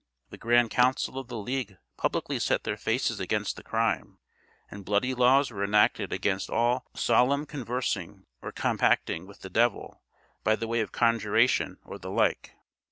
The grand council of the league publicly set their faces against the crime, and bloody laws were enacted against all "solem conversing or compacting with the devil by the way of conjuracion or the like."